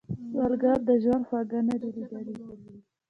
سوالګر د ژوند خواږه نه دي ليدلي